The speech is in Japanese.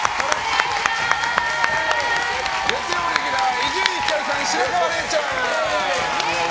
月曜レギュラー伊集院光さん、白河れいちゃん！